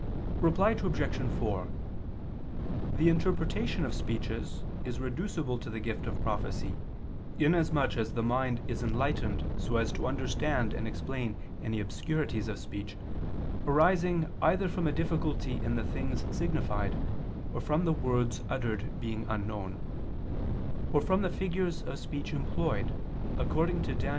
Reply Obj. 4: The interpretation of speeches is reducible to the gift of prophecy, inasmuch as the mind is enlightened so as to understand and explain any obscurities of speech arising either from a difficulty in the things signified, or from the words uttered being unknown, or from the figures of speech employed, according to Dan.